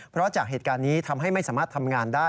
เพราะจากเหตุการณ์นี้ทำให้ไม่สามารถทำงานได้